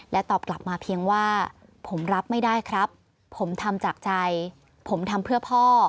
ตอบกลับมาเพียงว่าผมรับไม่ได้ครับผมทำจากใจผมทำเพื่อพ่อ